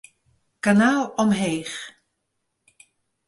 Kanaal omheech.